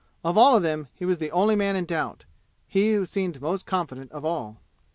Of all of them he was the only man in doubt he who seemed most confident of all.